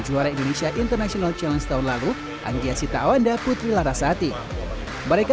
juara indonesia international challenge tahun lalu anggia sita awanda putri larasati mereka